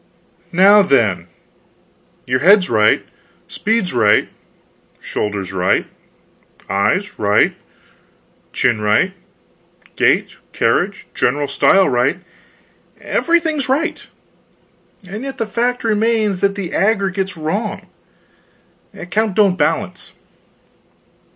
Now, then your head's right, speed's right, shoulders right, eyes right, chin right, gait, carriage, general style right everything's right! And yet the fact remains, the aggregate's wrong. The account don't balance.